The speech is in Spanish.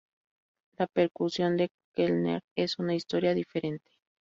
La percusión de Keltner es una historia diferente.